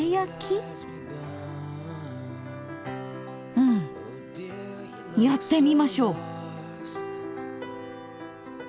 うんやってみましょう！